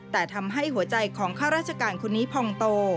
แต่ทำให้หัวใจของข้าราชการคนนี้พองโต